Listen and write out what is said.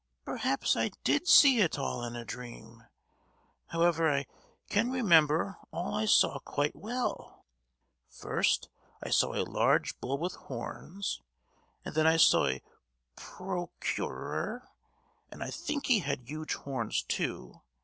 Perhaps I did see it all in a dream! However, I can remember all I saw quite well. First, I saw a large bull with horns; and then I saw a pro—curor, and I think he had huge horns too.